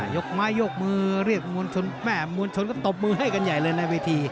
ยกไม้ยกมือเรียกมวลชนแม่มวลชนก็ตบมือให้กันใหญ่เลยในเวที